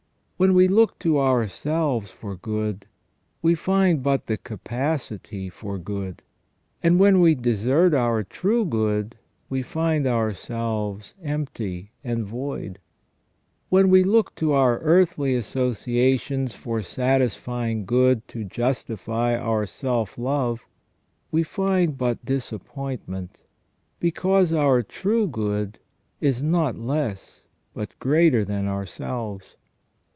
When we look to ourselves for good, we find but the capacity for good ; and when we desert our true good we find ourselves empty and void. When we look to our earthly associations for satisfying good to justify our self love, we find but disappoint I20 SELF AND CONSCIENCE. ment, because our true good is not less but greater than ourselves.